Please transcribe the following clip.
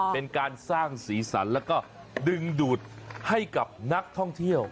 เป็นการสร้างสีสันแล้วก็ดึงดูดให้กับนักท่องเที่ยว